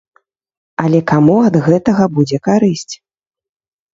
Але каму ад гэтага будзе карысць?